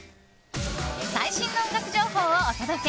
最新の音楽情報をお届け！